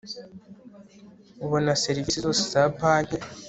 ubona serivisi zose za banki